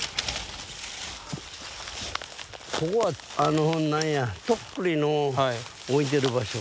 ここはあのなんやとっくりの置いてる場所。